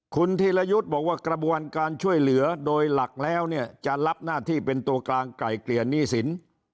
คุณธีรยุทธ์บอกว่ากระบวนการช่วยเหลือโดยหลักแล้วเนี่ยจะรับหน้าที่เป็นตัวกลางไกลเกลี่ยหนี้สิน